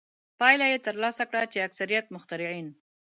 پایله یې ترلاسه کړه چې اکثریت مخترعین.